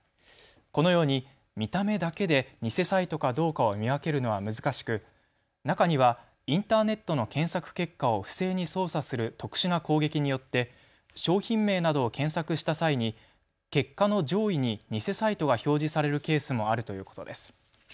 このように見た目だけで偽サイトかどうかを見分けるのは難しく中にはインターネットの検索結果を不正に操作する特殊な攻撃によって商品名などを検索した際に結果の上位に偽サイトが表示されるケースもあるということです。